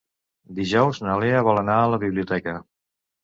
Dijous na Lea vol anar a la biblioteca.